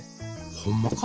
ほんまか？